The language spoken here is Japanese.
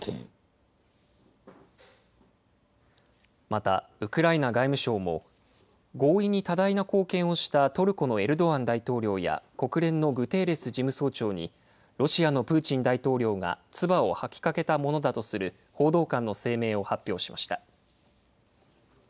また、ウクライナ外務省も、合意に多大な貢献をしたトルコのエルドアン大統領や国連のグテーレス事務総長に、ロシアのプーチン大統領が唾を吐きかけたものだとする報道官の声明を発表しました。